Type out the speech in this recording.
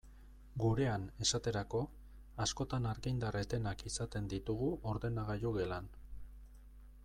Gurean, esaterako, askotan argindar etenak izaten ditugu ordenagailu gelan.